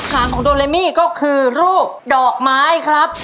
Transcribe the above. หางของโดเลมี่ก็คือรูปดอกไม้ครับ